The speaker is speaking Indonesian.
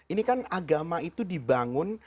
ini kan agama itu dibangun